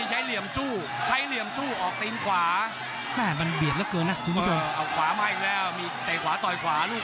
หาลูกคู่ก็ไม่ยังอ้าวแม่ลูกนี้สวย